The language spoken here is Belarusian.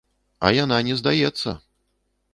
А яна не здаецца.